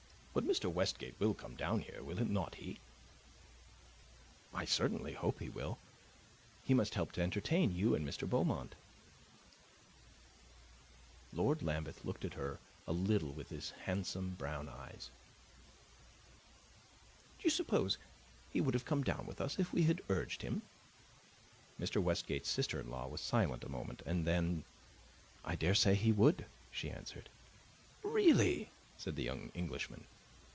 "But Mr. Westgate will come down here, will not he?" "I certainly hope he will. He must help to entertain you and Mr. Beaumont." Lord Lambeth looked at her a little with his handsome brown eyes. "Do you suppose he would have come down with us if we had urged him?" Mr. Westgate's sister in law was silent a moment, and then, "I daresay he would," she answered. "Really!" said the young Englishman.